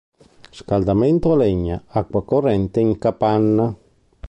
Riscaldamento a legna; acqua corrente in capanna.